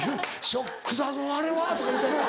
「ショックだぞあれは」とか言うてはった。